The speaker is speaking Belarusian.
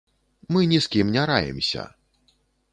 Мы ні з кім не раімся!